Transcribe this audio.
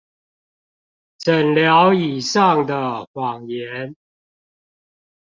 診療椅上的謊言